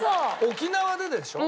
沖縄ででしょ？